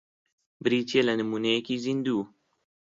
بریتییە لە نموونەیەکی زیندوو